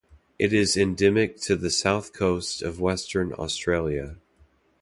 It is endemic to the south coast of Western Australia.